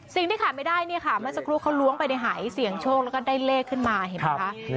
สิ่งที่ขาดไม่ได้เนี่ยค่ะเมื่อสักครู่เขาล้วงไปในหายเสี่ยงโชคแล้วก็ได้เลขขึ้นมาเห็นไหมคะ